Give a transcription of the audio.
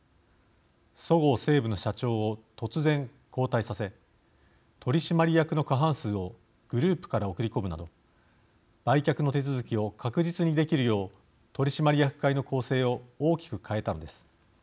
そごう・西武の社長を突然、交代させ取締役の過半数をグループから送り込むなど売却の手続きを確実にできるよう取締役会の構成を大きく変えたのです。